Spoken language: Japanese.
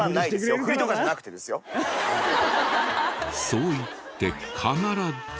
そう言って必ず。